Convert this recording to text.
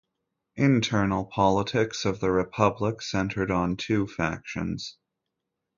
Internal politics of the Republic centred on two factions.